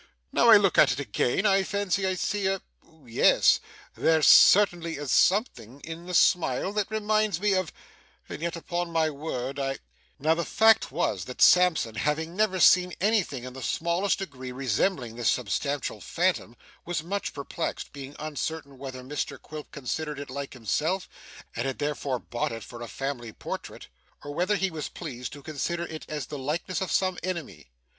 'Now I look at it again, I fancy I see a yes, there certainly is something in the smile that reminds me of and yet upon my word I ' Now, the fact was, that Sampson, having never seen anything in the smallest degree resembling this substantial phantom, was much perplexed; being uncertain whether Mr Quilp considered it like himself, and had therefore bought it for a family portrait; or whether he was pleased to consider it as the likeness of some enemy.